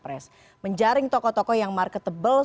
apakah ini adalah hal yang bisa diperhatikan oleh tokoh yang marketable